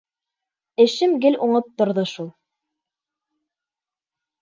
Эшем гел уңып торҙо шул.